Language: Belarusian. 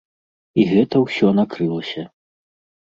І гэта ўсё накрылася.